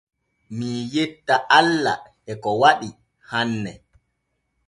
Mii yetta alla e ko waɗi hanne.